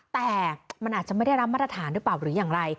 แต่มันอาจจะไม่ได้รับมาตรฐานหรืออย่างไร